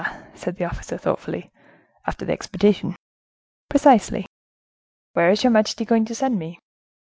said the officer, thoughtfully, "after the expedition." "Precisely." "Where is your majesty going to send me?"